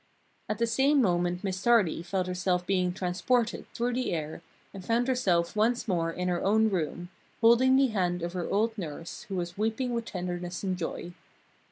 At the same moment Miss Tardy felt herself being transported through the air, and found herself once more in her own room, holding the hand of her old nurse, who was weeping with tenderness and joy.